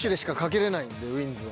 ウインズは。